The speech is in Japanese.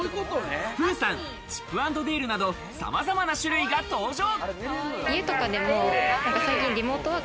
プーさん、チップ＆デールなど、様々な種類が登場。